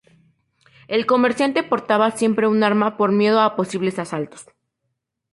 El comerciante portaba siempre un arma por miedo a posibles asaltos...